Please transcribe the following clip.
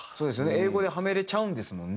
英語ではめれちゃうんですもんね。